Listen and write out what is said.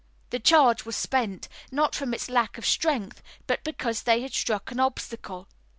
The charge was spent, not from its lack of strength but because they had struck an obstacle.